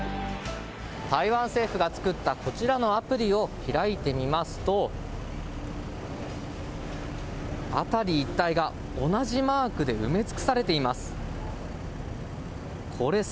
台湾政府が作ったこちらのアプリを開いてみますと、辺り一帯が同じマークで埋め尽くされています。